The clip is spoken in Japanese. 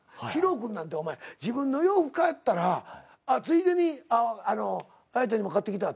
ＨＩＲＯ君なんてお前自分の洋服買ったらついでに彩ちゃんにも買ってきたって。